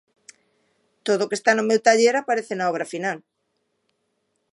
Todo o que está no meu taller aparece na obra final.